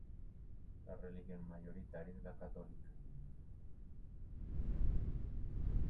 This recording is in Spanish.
La religión mayoritaria es la católica.